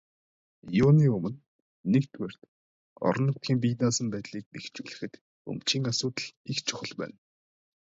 Юуны өмнө, нэгдүгээрт, орон нутгийн бие даасан байдлыг бэхжүүлэхэд өмчийн асуудал их чухал байна.